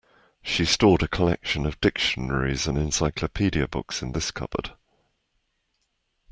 She stored a collection of dictionaries and encyclopedia books in this cupboard.